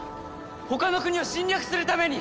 他の国を侵略するために！